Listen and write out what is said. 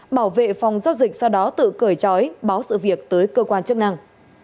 bảo vệ phòng giao dịch sau đó tự cởi trói báo sự việc tới cơ quan chức năng